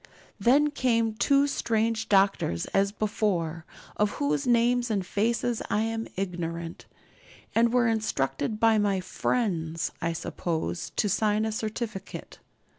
Then came two strange doctors as before, of whose names and faces I am ignorant, and were instructed by my 'friends,' I suppose, to sign a certificate.